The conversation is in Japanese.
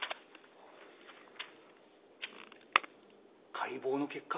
解剖の結果